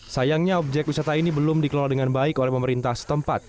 sayangnya objek wisata ini belum dikelola dengan baik oleh pemerintah setempat